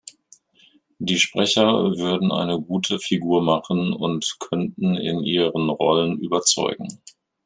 Die Sprecher würden eine gute Figur machen und könnten in ihren Rollen überzeugen.